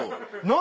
「何？